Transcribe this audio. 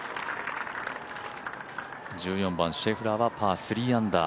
１４番、シェフラーはパー３アンダー。